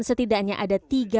setidaknya ada tiga